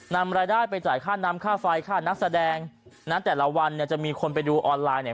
นำรายได้ไปจ่ายค่าน้ำค่าไฟค่านักแสดงนะแต่ละวันเนี่ยจะมีคนไปดูออนไลน์เนี่ย